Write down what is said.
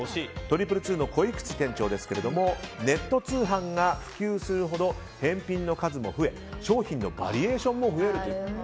２２２の鯉口店長ですがネット通販が普及するほど返品の数も増え商品のバリエーションも増えると。